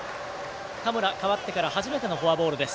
田村、代わってから初めてのフォアボールです。